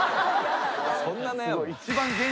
そんな悩むの？